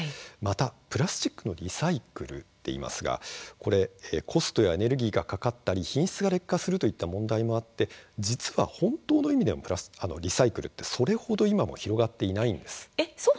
またプラスチックのリサイクルといいますがこれはコストやエネルギーがかかったり品質が劣化するという問題もあって実は本当の意味でのプラスチックのリサイクルというのはそれ程今も広がっていないんです。